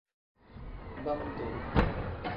Bam-duu.